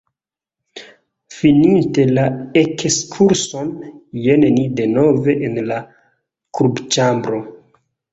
Fininte la ekskurson, jen ni denove en la klubĉambro.